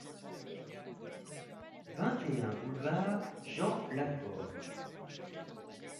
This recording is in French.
vingt et un boulevard Jean Lafaure